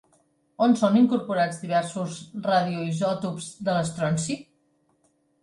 On són incorporats diversos radioisòtops de l'estronci?